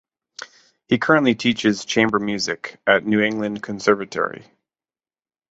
He currently teaches chamber music at New England Conservatory.